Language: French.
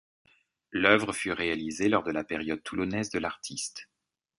L’œuvre fut réalisée lors de la période toulonnaise de l'artiste.